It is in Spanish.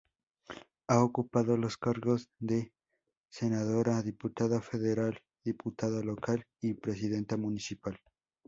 Ha ocupado los cargos de Senadora, Diputada Federal, Diputada Local y Presidenta Municipal.